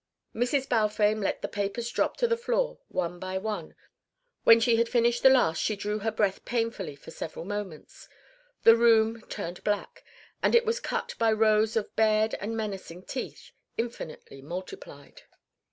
Mrs. Balfame let the papers drop to the floor one by one; when she had finished the last she drew her breath painfully for several moments. The room turned black, and it was cut by rows of bared and menacing teeth, infinitely multiplied.